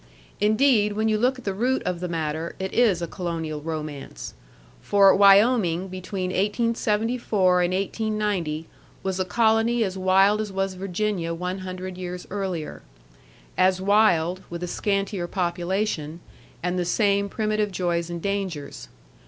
Indeed, when you look at the root of the matter, it is a colonial romance. For Wyoming between 1874 and 1890 was a colony as wild as was Virginia one hundred years earlier. As wild, with a scantier population, and the same primitive joys and dangers.